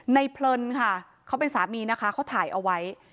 เพลินค่ะเขาเป็นสามีนะคะเขาถ่ายเอาไว้